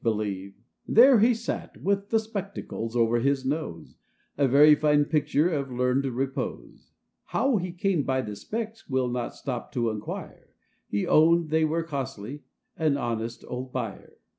THE OLD BEAR. 61 There he sat with the spectacles over his nose, A very fine picture of learned repose. How he came by the specs we'll not stop to inquire : He owned they were costly, the honest, old buyer